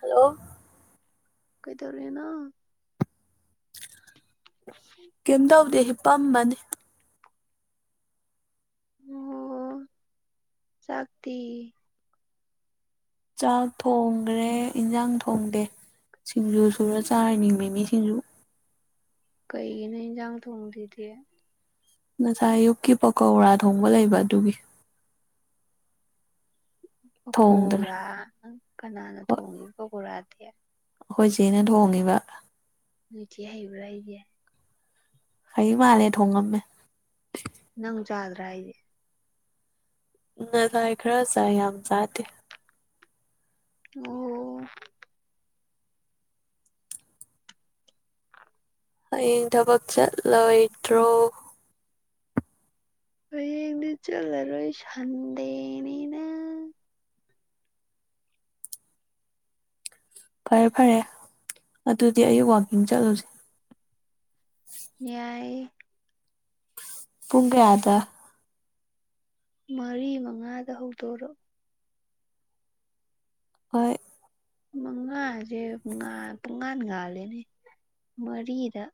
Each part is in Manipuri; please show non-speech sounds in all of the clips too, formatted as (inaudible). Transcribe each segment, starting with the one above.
ꯍꯜꯂꯣ ꯀꯩꯗꯔꯨꯦꯅ ꯀꯩꯝ ꯇꯧꯗꯦ ꯍꯤ ꯄꯝꯕꯅꯤ ꯑꯣ ꯆꯥꯛꯇ ꯆꯥꯛ ꯊꯣꯡꯈ꯭ꯔꯦ ꯏꯟꯁꯥꯡ ꯊꯣꯡꯗꯦ ꯁꯤꯡꯖꯨ ꯁꯔ ꯆꯥꯔꯅꯤ ꯃꯤ ꯃꯤ ꯁꯤꯡꯖꯨ ꯀꯩ ꯅ ꯒ ꯊꯣꯡꯂꯤꯗꯤ ꯉꯁꯥꯏ ꯑꯌꯨꯛꯀꯤ ꯄꯀꯧꯔꯥ ꯊꯣꯡꯕ ꯂꯩꯕ ꯑꯗꯨꯒꯤ ꯊꯣꯡꯗ꯭ꯔꯦ ꯄꯀꯣꯔꯥꯪ ꯀꯅꯥꯅ ꯊꯣꯡꯉꯤꯕ ꯄꯀꯣꯔꯥꯗꯤ ꯍꯣꯏꯖꯤꯦ ꯏꯩꯅ ꯊ ꯍꯣꯡꯒꯦ ꯅꯨꯡꯊꯤ ꯍꯩꯕ꯭ꯔꯥ ꯑꯩꯁꯦ ꯑꯩꯩ ꯃꯥꯂꯦꯠꯣꯡꯒ ꯃ ꯅꯪ ꯆꯥꯗ꯭ꯔꯥ ꯍꯥꯏꯗꯤꯦ ꯅꯉꯥꯏ ꯈꯔ ꯆꯥꯏ ꯌꯥꯝ ꯆꯥꯗꯦ ꯑꯣ ꯍꯌꯦꯡ ꯊꯕꯛ ꯆꯠꯂꯣꯏꯗ꯭ꯔꯣ ꯍꯅ ꯆꯂꯔꯣꯣꯏ ꯁꯥꯟꯗꯦꯅꯤꯅ ꯐꯔꯦ ꯐꯔꯦ ꯑꯗꯨꯗꯤ ꯑꯩꯌꯨ ꯋꯥꯛꯀꯤꯡ ꯆꯠꯂꯨꯁꯦ ꯌꯥꯏ ꯄꯨꯨꯡꯒꯥꯗ ꯃꯔꯤ ꯃꯉꯥꯗ ꯍꯧꯗꯣꯔꯛꯑꯣ ꯍꯣꯏ ꯃꯪꯉꯥꯁꯦ ꯄꯪ ꯄꯨꯡꯉꯥ ꯒꯥꯥꯂꯦꯅꯦ ꯃꯔꯤꯗ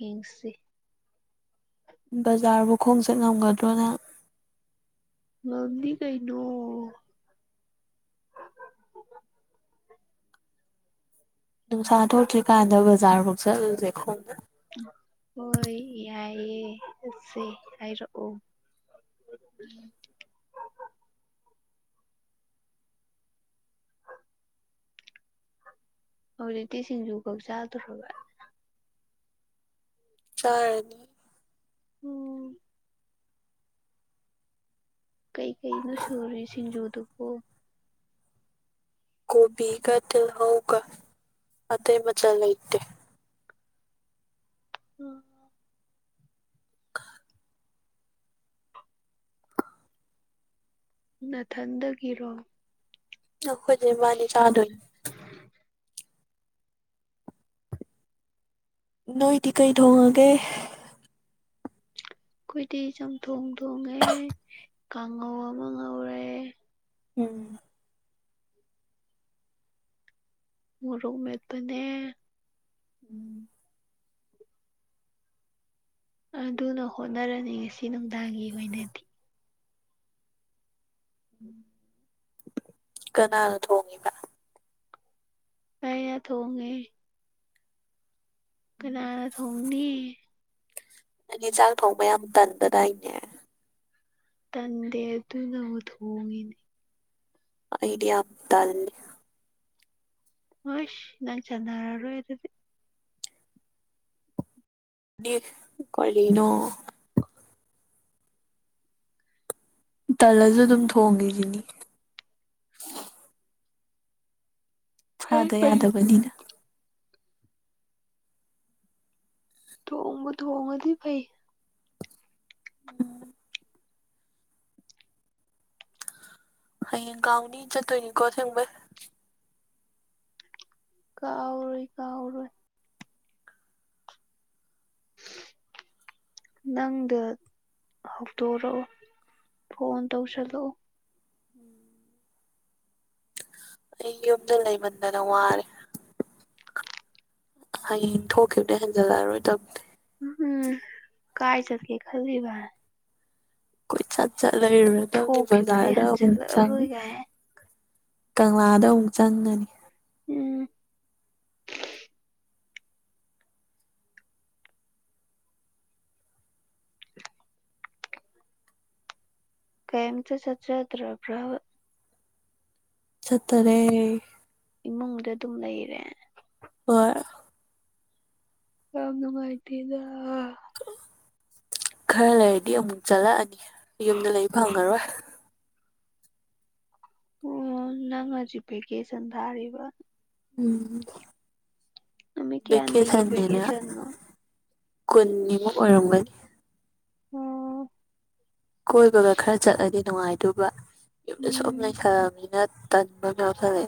ꯌꯦꯡꯁꯤ ꯕꯖꯥꯔꯕꯨ ꯈꯣꯡꯁꯦ ꯉꯝꯒꯗ꯭ꯔꯣꯅꯦ ꯉꯅꯤ ꯀꯩꯅꯩꯅꯣ ꯅꯨꯡꯁꯥ ꯊꯣꯛꯇ꯭ꯔꯤꯀꯥꯟꯗ ꯕꯖꯥꯔꯐꯥꯎ ꯆꯠꯂꯨꯁꯦ ꯈꯣꯡꯕ ꯍꯣꯏ ꯌꯥꯏꯌꯦꯦ ꯁ ꯍꯥꯏꯔꯛꯑꯣ ꯍꯧꯖꯤꯇꯤ ꯁꯤꯡꯖꯨ ꯀꯛ ꯆꯥꯗ꯭ꯔꯕ ꯆꯔ ꯎꯝ ꯀꯩꯀꯅꯣ ꯁꯨꯔꯤ ꯁꯤꯡꯖꯨꯗꯨꯕꯣ ꯣꯕꯤꯒ ꯇꯜꯍꯧꯒ ꯑ ꯃꯆꯥꯥ ꯂꯩꯇꯦ ꯎꯝ ꯅꯊꯟꯗꯒꯤꯔꯣ ꯈꯗꯕꯥꯅꯤ ꯆꯥ ꯑꯗꯨꯣꯏ ꯅꯣꯏꯗꯤ ꯀꯩ ꯑꯩꯈꯣꯏꯗꯤ ꯊꯣꯡꯉꯒꯦ ꯑꯩꯈꯣꯏꯗꯤ ꯆꯝꯊꯣꯡ ꯊꯣꯡꯉꯦ ꯀꯥꯡꯉꯧ ꯑꯃ ꯉꯧꯔꯦ ꯎꯝ ꯃꯔꯃꯦꯛꯇꯅꯦ ꯎꯝ ꯑꯗꯨꯅ ꯍꯣꯠꯅꯔꯅꯤ ꯉꯁꯤ ꯅꯨꯡꯗꯥꯡꯒꯤ ꯑꯣꯏꯅꯗꯤ ꯎꯝ ꯀꯅꯥꯅ ꯊꯣꯡꯉꯕ ꯄ ꯌꯥꯗ ꯍꯣꯡꯒꯦ ꯀꯅꯥ ꯊꯣꯡꯅꯤ ꯑ ꯆꯥꯛ ꯊꯣꯡꯕ ꯌꯥꯝ ꯇꯟꯕꯗꯥꯏꯅꯦ ꯇꯟꯗꯦ ꯑꯗꯨꯅ ꯊꯣꯡꯉꯤꯅꯦ ꯏꯗꯤꯗꯜꯦ ꯑꯣꯁ ꯅꯥꯟ ꯆꯅꯥꯔꯔ ꯑꯣꯏꯗꯗꯤ ꯅꯤ ꯀꯅꯣ ꯇꯜꯁꯨ ꯑꯗꯨꯝ ꯊꯣꯡꯈꯤꯦꯁꯤꯅꯤ ꯐꯩ ꯑꯗ ꯐꯩ ꯌꯥꯗꯕꯅꯤꯅ ꯊꯣꯡꯕ ꯊꯣꯡꯒꯗꯤ ꯄꯥꯏ ꯎꯝ ꯑꯌꯦꯒꯥꯎꯅꯤ ꯆꯠꯇꯣꯏꯅꯤ ꯀꯣ ꯊꯦꯡꯕ ꯀꯥꯎꯔꯣꯏ ꯀꯥꯎꯔꯣꯏ (unintelligible) ꯅꯪꯗ ꯍꯧꯗꯣꯔꯛꯑꯣ ꯐꯣꯟ ꯇꯧꯁꯗꯣ ꯑꯩ ꯌꯨꯝꯗ ꯂꯩꯃꯟꯗꯅ ꯋꯥꯔꯦ ꯍꯌꯦꯡ ꯊꯣꯛꯈꯤꯕꯅꯦ ꯍꯟꯖꯤꯜꯂꯛꯑꯔꯣꯏꯗꯕ ꯎꯝ ꯀꯥꯏ ꯆꯠꯀꯦ ꯈꯜꯔꯤꯕꯥꯏ ꯀꯣꯏ ꯆ ꯆ ꯂꯩꯔꯗ ꯖꯥꯗ ꯊꯣꯛꯈꯤꯕꯗꯩ ꯃ ꯆ ꯍꯟꯖꯜꯂꯛꯑꯔꯣꯏ ꯒꯥꯏ ꯀꯪꯂꯥꯗ ꯑꯃꯨꯛ ꯆꯪꯉꯅꯤ ꯎꯝ ꯀꯥꯏꯝ ꯆ ꯆꯆꯗ꯭ꯔꯕ꯭ꯔꯕ ꯆꯠꯇꯔꯦ ꯏꯃꯨꯡꯗ ꯑꯗꯨꯝ ꯂꯩꯔꯦ ꯍꯣꯏ ꯀꯅꯅꯨꯡꯉꯥꯏꯇꯤꯗ ꯈꯔ ꯂꯩꯔꯗꯤ ꯑꯃꯨꯛ ꯆꯠꯂꯛꯑꯅꯤ ꯌꯨꯝꯗ ꯂꯩꯕ ꯐꯪꯉꯔꯣꯏ ꯑꯣ ꯅꯪ ꯍꯧꯖꯤ ꯄꯦꯀꯦ ꯁꯟ ꯊꯥꯔꯤꯕ ꯎꯝ ꯅꯨꯃꯤꯠ ꯀꯌꯥꯅꯤꯒꯤ ꯚꯦꯀꯦꯁꯟꯁꯤꯅ ꯚꯦꯀꯦꯁꯟꯅꯣ ꯀꯨꯟꯅꯤꯃꯨꯛ ꯑꯣꯏꯔꯝꯒꯅꯤ ꯑꯣ ꯀꯣꯏꯕꯒ ꯈꯔ ꯆꯠꯂꯗꯤ ꯅꯨꯡꯉꯥꯏꯗꯕ ꯌꯨꯝꯗ ꯁꯨꯝ ꯎꯝ ꯂꯩꯈꯂꯅꯤꯅ ꯇꯃꯅ ꯐꯔꯦ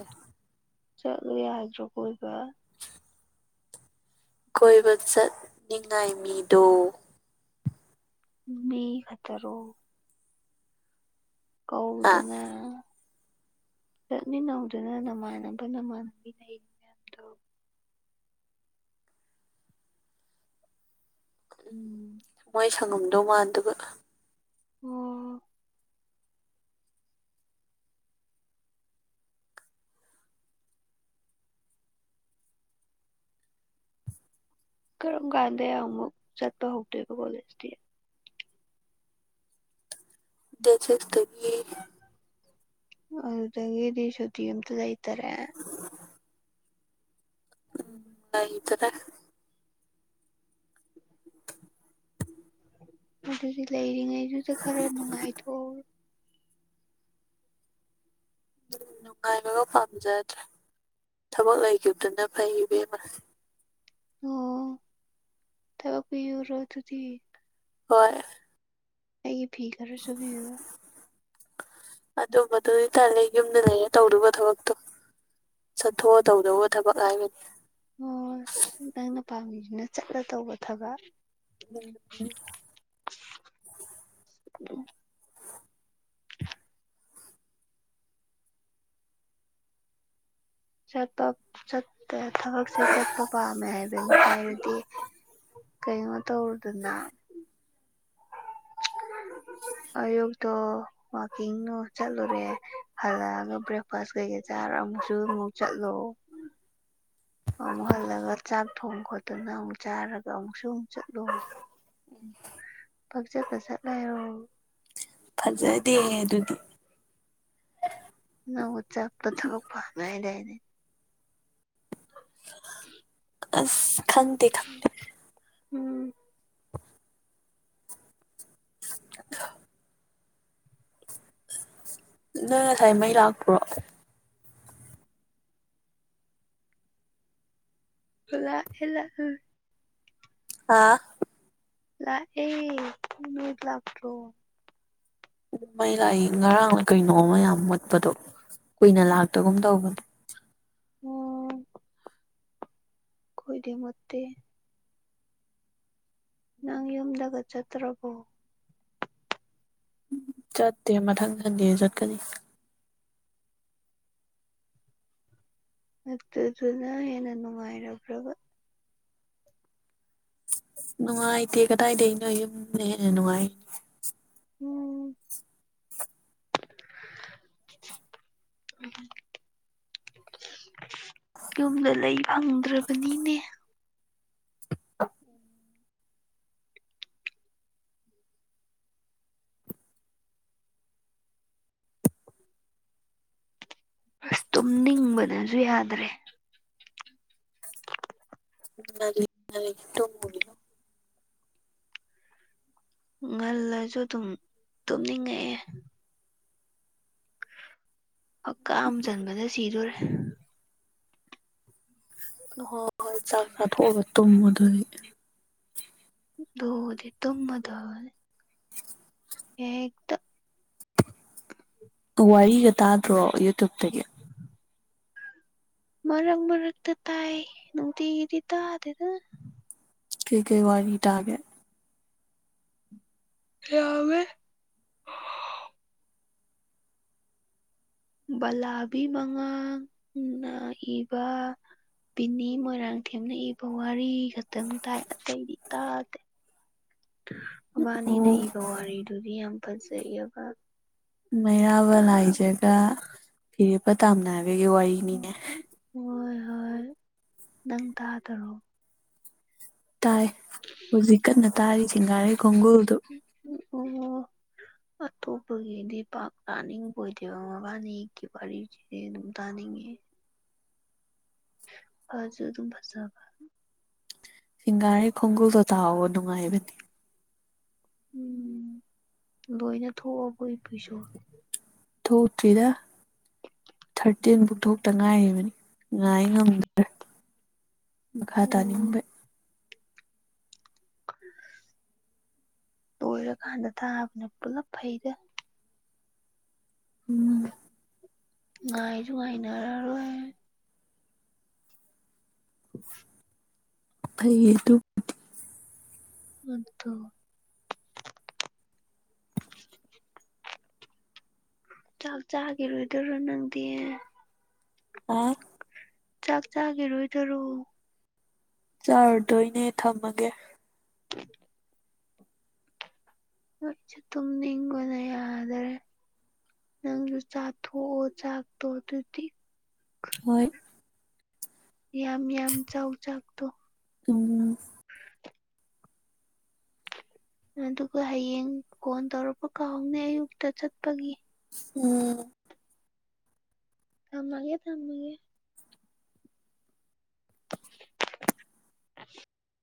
ꯆꯔꯤ ꯍꯥꯏꯍꯖ ꯀ ꯀꯣꯏꯕ ꯆꯠ ꯅꯤꯡꯉꯏ ꯃꯤꯗꯣ ꯃꯤ ꯈꯇꯔꯣ ꯍꯥ ꯀꯧꯗꯨꯉ ꯆꯠꯃꯤ ꯅꯧꯗꯨꯅ ꯅꯃꯥꯟꯅꯕ ꯅꯃꯥꯟꯅꯕꯤ ꯂꯩꯔꯤ ꯃꯌꯥꯝꯗꯣ ꯎꯝ ꯎꯝ ꯃꯣꯏ ꯁꯪꯉꯝꯗꯧ ꯃꯥꯟ ꯑꯗꯨꯒ ꯑꯣꯝ ꯀꯔꯝ ꯀꯥꯟꯗ ꯑꯃꯨꯛ ꯆꯠꯄ ꯍꯧꯗꯣꯏꯕ ꯀꯣꯂꯦꯖꯇꯤ ꯇꯁꯦꯁ ꯇꯔꯤ ꯑꯗꯨꯗꯒꯤꯦ ꯁꯗꯤ ꯑꯇ ꯂꯩꯩ ꯇꯔ ꯎꯝꯗꯔꯦ ꯑꯗꯨꯗꯤ ꯂꯩꯔꯤꯉꯩꯗꯨꯗ ꯈꯔ ꯅꯨꯡꯉꯥꯏꯊꯣꯛꯎ ꯎꯝ ꯅꯨꯡꯉꯥꯏꯂꯒ ꯄꯥꯝꯖꯠ ꯊꯕꯛ ꯂꯩꯈꯤꯕꯗꯨꯅ ꯐꯩ ꯏꯕꯦꯝꯃ ꯑꯣ ꯇꯕ ꯄꯤ ꯑꯣꯏꯔꯗꯤ ꯍꯣꯏ ꯑꯩ ꯐꯤꯀꯔꯦꯁꯨꯕꯤ ꯑꯗꯨꯝꯕꯗꯨ ꯑꯣꯏꯇꯥꯔꯦ ꯌꯨꯝꯗ ꯂꯩꯔꯦ ꯇꯧꯔꯨꯕ ꯊꯕꯛꯇꯣ ꯆꯠꯊꯣꯛꯑꯣ ꯇꯧꯗꯑꯣ ꯊꯕꯛ ꯍꯥꯏꯕ ꯍꯣꯏ ꯅꯪꯅ ꯄꯥꯝꯕꯤꯗꯨꯅ ꯆꯠꯂ ꯇꯧꯕ ꯊꯕꯛ ꯎ ꯆꯠꯇꯞ ꯆꯠ ꯊꯕꯛꯁꯦ ꯆꯠꯄ ꯄꯥꯝꯃꯦ ꯍꯥꯏꯕꯅꯤ ꯍꯥꯏꯔꯗꯤ ꯀꯩꯅꯣ ꯇꯧꯔꯗꯅ (inaudible) ꯑꯌꯨꯛꯇꯣ ꯋꯥꯛꯀꯤꯡꯣ ꯆꯠꯂꯨꯔꯦ ꯍꯜꯂꯛꯑꯒ ꯕ꯭ꯔꯦꯛꯐꯥꯁ ꯀꯩꯀꯩ ꯆꯥꯔꯕ ꯃꯨꯁꯨ ꯑꯥꯃꯨꯛ ꯆꯥꯠꯂꯣ ꯑꯃꯨꯛ ꯍꯜꯂꯒ ꯆꯥꯛ ꯊꯣꯡ ꯈꯣꯠꯇꯨꯅ ꯑꯃꯨꯛ ꯆꯥꯔꯒ ꯑꯃꯨꯛꯁꯨ ꯑꯃꯨꯛ ꯆꯠꯂꯨ ꯐꯛꯆ ꯆꯠꯂ ꯂꯩꯔꯣ ꯐꯖꯗꯦ ꯑꯗꯨꯗꯤ ꯅꯕꯨ ꯆꯞꯇ ꯊꯕꯛ ꯐꯡ ꯉꯩ ꯗꯥꯏꯅꯦ (inaudible) ꯑꯁ ꯈꯪꯗꯦ ꯈꯪꯗꯦ ꯎꯝ (unintelligible) ꯅꯪ ꯉꯁꯥꯏ ꯃꯩ ꯂꯥꯛꯄ꯭ꯔꯣ ꯂꯥꯛ ꯑꯦ ꯂꯥꯛ ꯑꯦ ꯑꯥ ꯂꯥꯛ ꯑꯦ ꯃꯤ ꯂꯥꯛ꯭ꯔꯣ ꯑꯗꯨ ꯃꯩ ꯂꯥꯏ ꯉꯔꯥꯡꯅ ꯀꯩꯅꯣꯝꯃ ꯌꯥꯝ ꯃꯣꯠ ꯗꯣ ꯀꯨꯏꯅ ꯂꯥꯛꯇꯒꯨꯝ ꯇꯧꯕꯅꯦ ꯑꯣ ꯀꯣꯏꯗꯤ ꯃꯨꯠꯇꯦ ꯅꯪ ꯌꯨꯝꯗꯒ ꯆꯠꯇ꯭ꯔꯕꯣ ꯆꯠꯇꯦ ꯃꯊꯪ ꯊꯟꯗꯤꯦ ꯆꯠꯀꯅꯤ ꯃ ꯑꯗꯨꯅ ꯍꯦꯟꯅꯥ ꯉꯥꯏꯔꯕ꯭ꯔꯕ ꯅꯨꯡꯉꯥꯏꯇꯦ ꯀꯗꯥꯏꯗꯒꯤ ꯑꯩꯅꯣ ꯌꯨꯝꯅ ꯍꯦꯟꯅ ꯅꯨꯡꯉꯥꯏ ꯎꯝ (unintelligible) ꯌꯨꯝꯗ ꯂꯩ ꯐꯪꯗ꯭ꯔꯕꯅꯤꯅꯦ ꯑ ꯑꯁ ꯇꯨꯝꯅꯤꯡꯕꯗꯅꯁꯨ ꯌꯥꯗ꯭ꯔꯦ ꯉꯜꯂꯤ ꯉꯜꯂꯤ ꯇꯨꯝꯃꯨꯒꯤꯅꯨ ꯉꯜꯂꯁꯨ ꯑꯗꯨꯝ ꯇꯨꯝꯅꯤꯡꯉꯛꯑꯦ ꯑꯀꯥꯝ ꯆꯟꯕꯗ ꯁꯤꯗꯣꯔꯦ ꯍꯣꯏ ꯍꯣꯏ ꯆꯥꯛ ꯆꯥ ꯊꯣꯛꯣꯛꯑꯒ ꯇꯨꯝꯕ ꯑꯗꯨꯗꯤ ꯑꯗꯨꯕꯨꯗꯤ ꯇꯨꯝꯃꯗꯕꯅꯤ ꯍꯦꯛꯇ ꯋꯥꯔꯤꯒ ꯇꯥꯗ꯭ꯔꯣ ꯌꯨꯇ꯭ꯌꯨꯞꯇꯒꯤ ꯃꯔꯛ ꯃꯔꯛꯇ ꯇꯥꯏ ꯅꯨꯡꯇꯤꯒꯤꯗꯤ ꯇꯥꯗꯦꯗ ꯀꯩ ꯀꯩ ꯋꯥ ꯔꯤ ꯇꯒꯦ ꯌꯥꯝꯃꯦ ꯕꯂꯥꯕꯤ ꯃꯉꯥꯡꯅ ꯅꯥꯏꯕ ꯕꯤꯅꯤ ꯃꯣꯏꯔꯥꯡꯊꯦꯝꯅ ꯏꯕ ꯋꯥꯔꯤ ꯈꯛꯇꯪ ꯇꯥꯏ ꯑꯇꯩꯗꯤ ꯇꯥꯗꯦ (inaudible) ꯃꯕꯥꯅꯤꯅ ꯑꯣ ꯏꯕ ꯋꯥꯔꯤꯗꯨꯗꯤ ꯌꯥꯝ ꯐꯖꯩꯕ ꯃꯩꯔꯥꯕ ꯂꯥꯏꯖꯒ ꯐꯤꯔꯦꯞꯄ ꯇꯥꯝꯅꯅꯕꯒꯤ ꯋꯥꯔꯤꯅꯤꯅꯦ ꯍꯣꯏ ꯍꯣꯏ ꯅꯪ ꯇꯥꯗꯔꯣ ꯇꯥꯏ ꯍꯧꯖꯤꯛ ꯀꯟꯅ ꯇꯥꯔꯤ ꯆꯦꯡꯒꯥꯔꯦ ꯈꯣꯡꯒꯨꯜꯗꯨ ꯑꯣ ꯑꯣ ꯑꯇꯣꯞꯄꯒꯤꯗꯤ ꯄꯥꯛ ꯇꯥꯅꯤꯡ ꯑꯣꯏꯗꯦꯕꯕꯥꯅꯤꯀꯤ ꯋꯥꯔꯤ ꯑꯗꯨꯝ ꯇꯅꯤꯡ (inaudible) ꯐꯥꯖ ꯑꯗꯨꯝ ꯐꯖꯕ ꯁꯤꯁꯤꯡꯒꯔꯤ ꯈꯣꯡꯒꯨ ꯆ ꯇ ꯅꯨꯡꯉꯥꯏꯕ ꯎꯝ ꯂꯣꯏꯅ ꯊꯣꯛꯑꯒ ꯏ ꯄꯁꯨꯣ ꯊꯣꯛꯇ꯭ꯔꯤꯗ ꯊꯥꯔꯇꯤꯟꯐꯥꯎ ꯊꯣꯛꯇ ꯉꯥꯏꯔꯤ ꯉꯥꯏ ꯉꯝꯗ꯭ꯔꯦ ꯃꯈꯥ ꯑꯣ ꯇꯥꯅꯤꯡꯕꯩ ꯂꯣꯏꯔꯀꯥꯟꯗ ꯊꯥꯕꯅꯦ ꯄꯨꯂꯞ ꯐꯩꯗ ꯎꯝ ꯉꯥꯏꯁꯨꯉꯥꯏꯅꯔꯥꯔ‌ꯣꯏ (inaudible) ꯑꯩ (unintelligible) ꯑꯗꯨꯠꯇꯣ ꯆꯥꯛ ꯆꯥꯈꯤꯔꯣꯏꯗꯣꯏꯔꯣ ꯅꯪꯗꯤ ꯑꯥ ꯆꯥꯛ ꯆꯥꯈꯤꯔꯣꯏꯗꯔꯣ ꯆꯥꯔꯨꯗꯣꯏꯅꯦ ꯊꯝꯃꯒꯦ (inaudible) ꯅꯣꯏꯁꯨ ꯇꯨꯝ ꯅꯤꯡꯒꯣꯟꯅꯗꯔꯦ ꯅꯪꯁꯨ ꯆꯥꯊꯣꯛꯑꯣ ꯆꯥꯛꯇꯣ ꯑꯗꯨꯗꯤ ꯍꯣꯏ ꯌꯥꯝ ꯌꯥꯝ ꯆꯥꯎꯧ ꯆꯥꯛꯇꯣ ꯎꯝ ꯑꯗꯨꯒ ꯍꯌꯦꯡ ꯐꯣꯟ ꯇꯧꯔꯛꯄ ꯀꯥꯎꯍꯧꯅꯦ ꯑꯌꯨꯛꯇ ꯆꯠꯄꯒꯤ ꯎꯝ ꯀꯃꯒꯦ ꯊ ꯃꯒꯦ (inaudible)